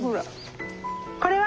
これは？